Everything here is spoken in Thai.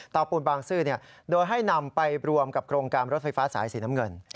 ปูนบางซื่อโดยให้นำไปรวมกับโครงการรถไฟฟ้าสายสีน้ำเงิน